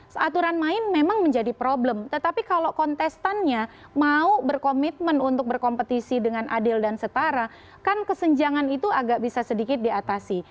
seaturan main memang menjadi problem tetapi kalau kontestannya mau berkomitmen untuk berkompetisi dengan adil dan setara kan kesenjangan itu agak bisa sedikit diatasi